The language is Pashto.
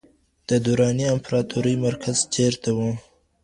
د دراني امپراتورۍ مرکز چېرته و؟